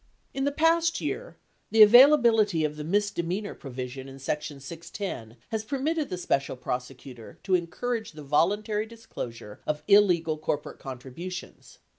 In the past year the availability of the misdemeanor provision in section 610 has permitted the Special Prosecutor to encourage the 577 voluntary disclosure of illegal corporate contributions.